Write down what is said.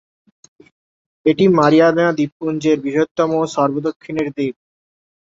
এটি মারিয়ানা দ্বীপপুঞ্জের বৃহত্তম ও সর্ব দক্ষিণের দ্বীপ।